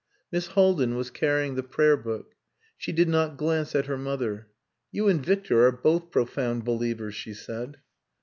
Miss Haldin was carrying the prayer book. She did not glance at her mother. "You and Victor are both profound believers," she said.